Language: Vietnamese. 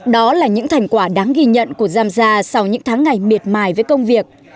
đó là những thành quả đáng ghi nhận của giamgia sau những tháng ngày miệt mải với công việc